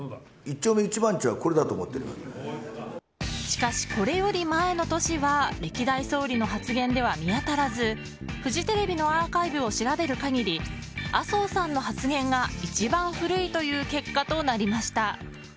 しかし、これより前の年は歴代総理の発言では見当たらずフジテレビのアーカイブを調べる限り、麻生さんの発言が一番古いという結果となりました。